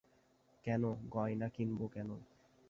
কেন, গয়না কিনব কেন?